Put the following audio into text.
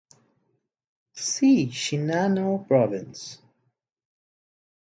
See Shinano Province.